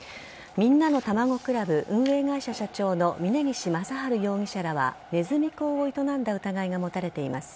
みんなのたまご倶楽部運営会社社長の峯岸正治容疑者らはねずみ講を営んだ疑いが持たれています。